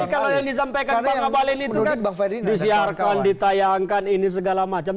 tapi kalau yang disampaikan pak ngabalin itu kan disiarkan ditayangkan ini segala macam